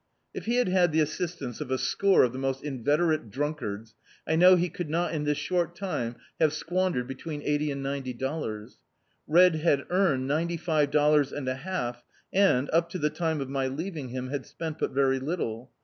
If he had had the assistance of a score of the most in veterate dnmkards, I know he could not In this short time have squandered between ei^ty and ninety dollars. Red had earned ninety>five dollars and a half, and, up to the time of my leaving him, had spent but very tittle.